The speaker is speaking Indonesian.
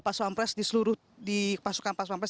delapan puluh dua pas pempres di seluruh pasukan pas pempres